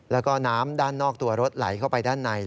แล้วก็น้ำด้านนอกตัวรถไหลเข้าไปด้านใน